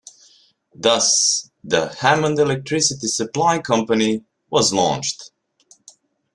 Thus the Hammond Electricity Supply Company was launched.